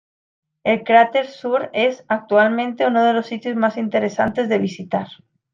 El cráter sur es, actualmente, uno de los sitios más interesantes de visitar.